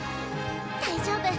大丈夫。